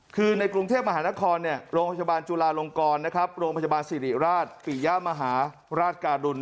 คือในกรุงเทพมหานครโรงพยาบาลจุลาลงกรโรงพยาบาลสิริราชปิยะมหาราชการุล